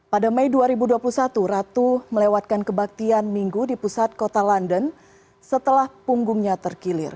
pada mei dua ribu dua puluh satu ratu melewatkan kebaktian minggu di pusat kota london setelah punggungnya terkilir